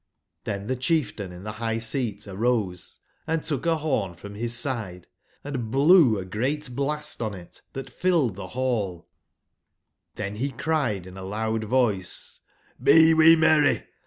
'Cbzn tbe cbieftain in tbe bigbseat arose and took a bom from 'bis side, and blew a great blast on it tbat filled tbe ball; tben be cried in a loud voice:'' Be wc merry!